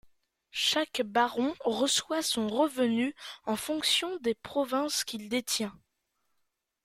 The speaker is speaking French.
Chaque baron reçoit son revenu en fonction des provinces qu'il détient.